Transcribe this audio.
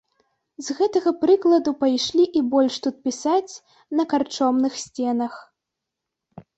З гэтага прыкладу пайшлі і больш тут пісаць на карчомных сценах.